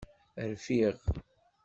Rfiɣ.